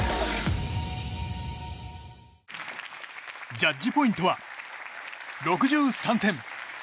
ジャッジポイントは６３点。